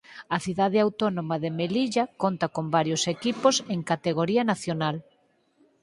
A cidade autónoma de Melilla conta con varios equipos en categoría nacional.